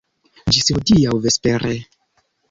Ĝis hodiaŭ vespere!